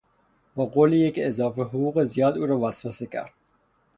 با قول یک اضافه حقوق زیاد او را وسوسه کردند.